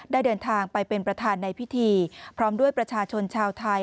เดินทางไปเป็นประธานในพิธีพร้อมด้วยประชาชนชาวไทย